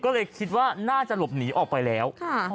ก็เลยคิดว่าน่าจะหลบหนีออกไปแล้ว